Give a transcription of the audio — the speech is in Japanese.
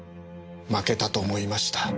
負けた！と思いました。